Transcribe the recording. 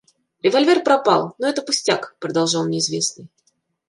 Револьвер пропал, но это пустяк, - продолжал неизвестный.